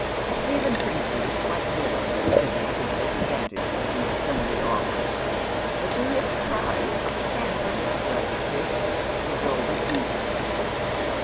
Stephen Trencliard is quite willing that Sibyl should take advantage of these friendly oficrs, but, to his surprise, and perhaps gratilication, the girl refuses.